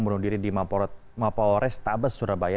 menundiri di mapoores tabes surabaya